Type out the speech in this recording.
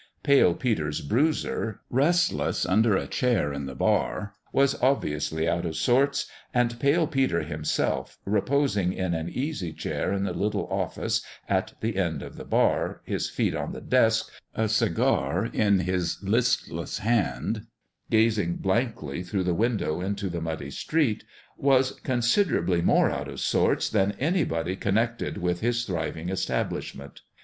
Pale Peter's Bruiser, restless under a chair in the bar, was obviously out of sorts ; and Pale Peter himself, reposing in an easy chair in the little office at the end of the bar, his feet on the desk, a cigar in his listless hand, gazing blankly through the window into the muddy street, was considerably more out of sorts than anybody connected with his thriving establishment.